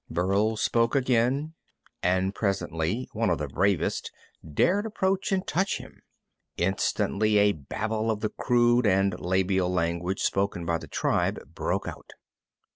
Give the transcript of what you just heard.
Burl spoke again, and presently one of the bravest dared approach and touch him. Instantly a babble of the crude and labial language spoken by the tribe broke out.